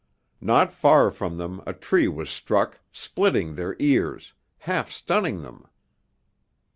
Not far from them a tree was struck, splitting their ears, half stunning them.